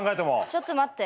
ちょっと待って。